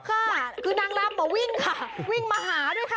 ค่ะคือนางลำวิ่งค่ะวิ่งมาหาด้วยค่ะ